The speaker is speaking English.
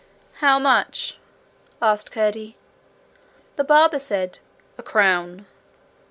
'How much?' asked Curdie. The barber said, 'A crown.'